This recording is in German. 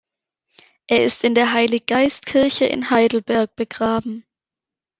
Er ist in der Heiliggeistkirche in Heidelberg begraben.